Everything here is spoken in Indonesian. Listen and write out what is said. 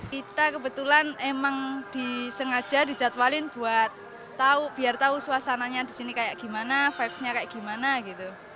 kita kebetulan emang disengaja dijadwalin biar tahu suasananya di sini kayak gimana vibesnya kayak gimana gitu